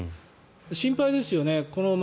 心配ですよね。